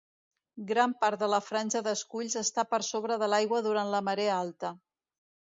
Gran part de la franja d'esculls està per sobre de l'aigua durant la marea alta.